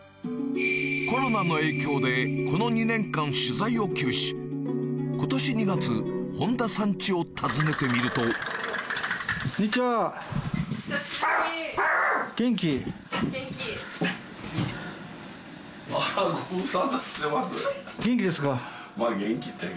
コロナの影響でこの２年間取材を休止今年２月本多さんチを訪ねてみるとあっご無沙汰してます。